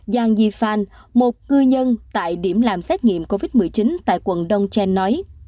giang yifan một cư nhân tại điểm làm xét nghiệm covid một mươi chín tại quận đông chen nói